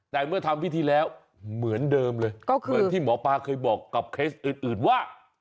แต่เมื่อทำพิธีแล้วเหมือนเดิมเลยก็คือเหมือนที่หมอปลาเคยบอกกับเคสอื่นว่า